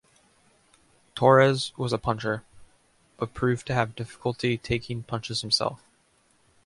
Torres was a puncher, but proved to have difficulty taking punches himself.